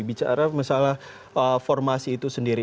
bicara masalah formasi itu sendiri